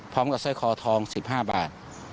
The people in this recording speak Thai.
พร้อมกับไส้คอทอง๑๕บาท